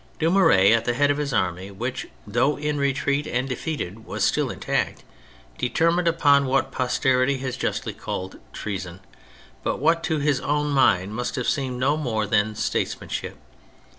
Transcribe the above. Dumouriez, at the head of his army, which, though in retreat and defeated, was still intact, determined upon what posterity has justly called treason, but what to his own mind must have seemed no more than statesmanship.